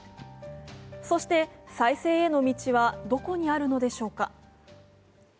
そして再生への道はどこにあるのでしょうか。